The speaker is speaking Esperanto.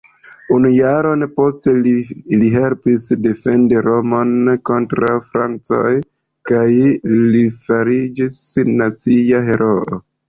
Unu jaron poste li helpas defendi Romon kontraŭ francoj kaj li fariĝas nacia heroo.